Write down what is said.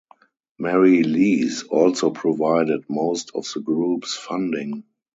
Mary Leese also provided most of the group's funding.